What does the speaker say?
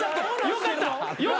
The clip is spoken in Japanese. よかった？